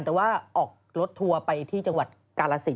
แต่ว่าออกรถทัวร์ไปที่จังหวัดกาลสิน